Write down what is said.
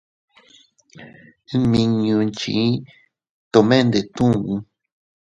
Nmiñu nchii tomene ndetun.